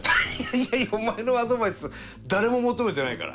いやいやお前のアドバイス誰も求めてないから。